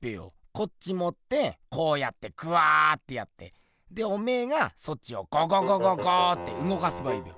こっちもってこうやってグワーッてやってでおめぇがそっちをゴゴゴゴゴーってうごかせばいいべ。